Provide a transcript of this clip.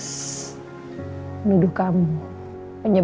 semoga kamu semangat